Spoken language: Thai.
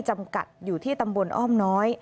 จำกัดอยู่ที่ตำบลอ้อมน้อย